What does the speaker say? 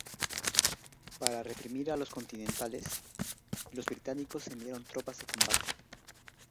Para reprimir a los "continentales", los británicos enviaron tropas de combate.